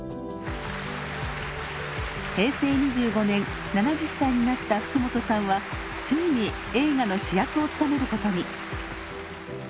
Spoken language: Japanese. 平成２５年７０歳になった福本さんはついに映画の主役を務めることに。